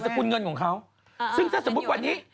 สกุลเงินของเขาซึ่งถ้าสมมุติวันนี้